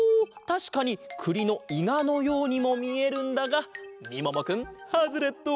たしかにくりのいがのようにもみえるんだがみももくんハズレット！